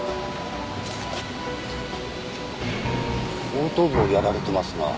後頭部をやられてますなあ。